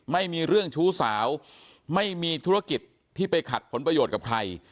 ไม่มีเรื่องชู้สาวไม่มีธุรกิจที่ไปขัดผลประโยชน์กับใคร